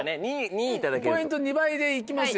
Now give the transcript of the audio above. ポイント２倍でいきますよ